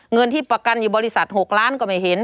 เงินที่ประกันอยู่บริษัท๖ล้านก็ไม่เห็น